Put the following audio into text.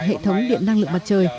hệ thống điện năng lượng mặt trời